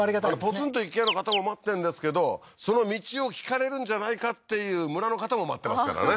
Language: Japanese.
ポツンと一軒家の方も待ってんですけどその道を聞かれるんじゃないかっていう村の方も待ってますからね